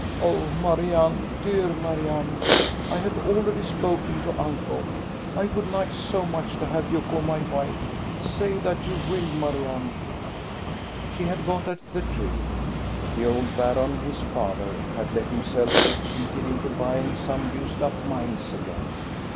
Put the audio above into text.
Oh, Marianne, dear Marianne. I have already spoken to uncle. I would like so much to have you for my wife. Say that you will, Marianne. " She had got at the truth. The old baron^ his father, had let himself be cheated into buying some used up OLD SONGS 359 mines again.